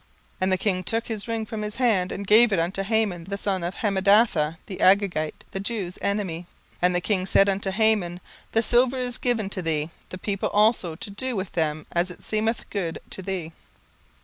17:003:010 And the king took his ring from his hand, and gave it unto Haman the son of Hammedatha the Agagite, the Jews' enemy. 17:003:011 And the king said unto Haman, The silver is given to thee, the people also, to do with them as it seemeth good to thee.